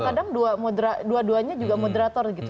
kadang dua duanya juga moderator gitu